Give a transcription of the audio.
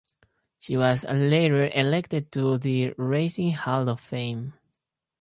She was later elected to the Racing Hall of Fame.